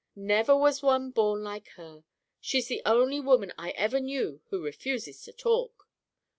"Never was one born like her. She's the only woman I ever knew who refuses to talk."